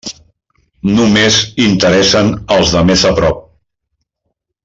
Només interessen els de més a prop.